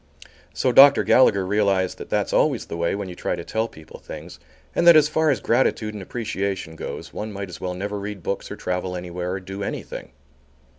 So Dr. Gallagher realized that that's always the way when you try to tell people things, and that as far as gratitude and appreciation goes one might as well never read books or travel anywhere or do anything.